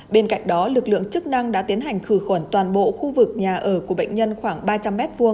bên cạnh đó lực lượng chức năng đã tiến hành khử khuẩn toàn bộ khu vực nhà ở của bệnh nhân khoảng ba trăm linh m hai